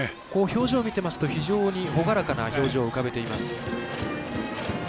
表情を見てますと非常に朗らかな表情を浮かべています。